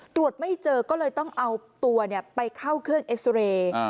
ตรวจไม่เจอก็เลยต้องเอาตัวไปเข้าเครื่องเอ็กซอเรย์